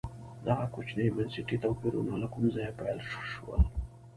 دغه کوچني بنسټي توپیرونه له کومه ځایه پیل شول.